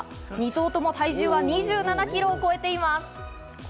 ２頭とも体重は２７キロを超えています。